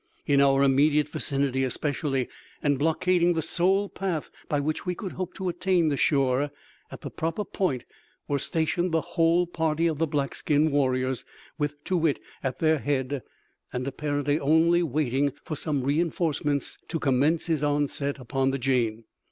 In our immediate vicinity especially, and blockading the sole path by which we could hope to attain the shore at the proper point were stationed the whole party of the black skin warriors, with Too wit at their head, and apparently only waiting for some re enforcement to commence his onset upon the Jane.